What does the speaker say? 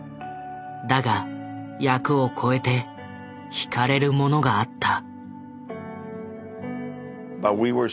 だが役を超えてひかれるものがあった。